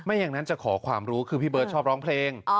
อย่างนั้นจะขอความรู้คือพี่เบิร์ตชอบร้องเพลง